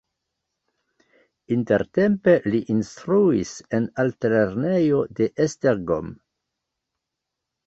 Intertempe li instruis en altlernejo de Esztergom.